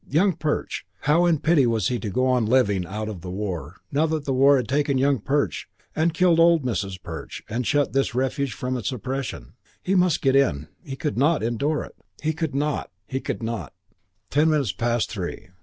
Young Perch! How in pity was he to go on living out of the war, now that the war had taken Young Perch and killed old Mrs. Perch and shut this refuge from its oppression? He must get in. He could not endure it. He could not, could not.... Ten minutes past three.